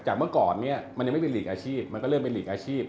เมื่อก่อนเนี่ยมันยังไม่เป็นหลีกอาชีพมันก็เริ่มเป็นหลีกอาชีพ